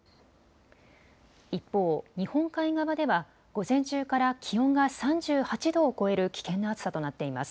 一方、日本海側では午前中から気温が３８度を超える危険な暑さとなっています。